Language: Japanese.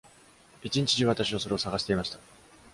一日中私はそれを探していました。